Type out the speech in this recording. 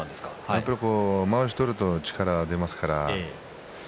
まわしを取ると力が出ますから。